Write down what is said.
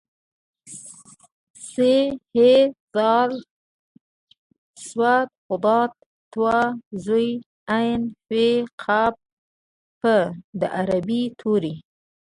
ث ح ذ ص ض ط ظ ع ف ق په د عربۍ توري